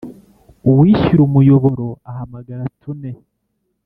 uwishyura umuyoboro ahamagara tune